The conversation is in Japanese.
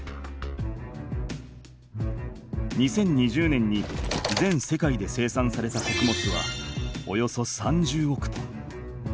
２０２０年に全世界で生産されたこくもつはおよそ３０億トン。